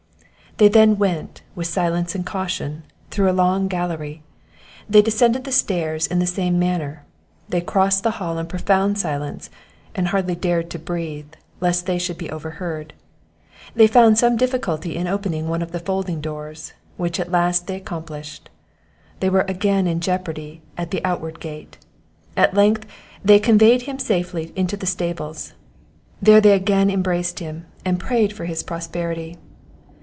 They then went, with silence and caution, through a long gallery; they descended the stairs in the same manner; they crossed the hall in profound silence, and hardly dared to breathe, lest they should be overheard; they found some difficulty in opening one of the folding doors, which at last they accomplished; they were again in jeopardy at the outward gate. At length they conveyed him safely into the stables; there they again embraced him, and prayed for his prosperity.